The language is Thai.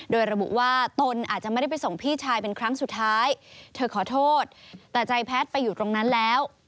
โดยระบุว่าตนอาจจะไม่ได้ไปส่งพี่ชายเป็นครั้งสุดท้ายเธอขอโทษแต่ใจแพทย์ไปอยู่ตรงนั้นแล้ว